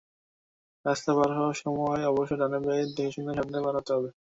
রাস্তা পার হওয়ার সময় অবশ্যই ডানে-বাঁয়ে দেখেশুনে সাবধানে পার হতে হবে।